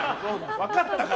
分かったから！